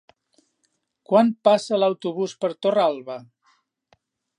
Quan passa l'autobús per Torralba?